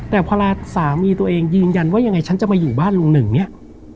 แต่พอสามีตัวเองยืนยันว่ายังไงฉันจะมาอยู่บ้านลุงหนึ่งเนี่ย